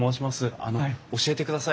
あの教えてください。